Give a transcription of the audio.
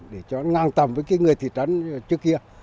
để cho nó ngang tầm với cái người thị trấn trước kia